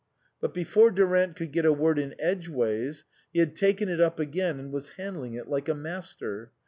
But before Durant could get a word in edgeways he had taken it up again and was handling it like a master.